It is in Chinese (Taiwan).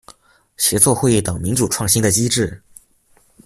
協作會議等民主創新的機制